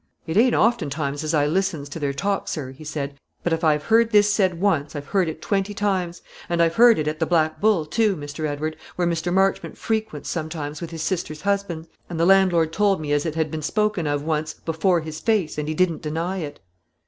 "It ain't oftentimes as I listens to their talk, sir," he said; "but if I've heard this said once, I've heard it twenty times; and I've heard it at the Black Bull, too, Mr. Edward, where Mr. Marchmont fre_quents_ sometimes with his sister's husband; and the landlord told me as it had been spoken of once before his face, and he didn't deny it."